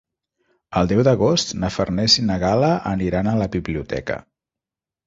El deu d'agost na Farners i na Gal·la aniran a la biblioteca.